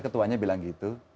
ketuanya bilang gitu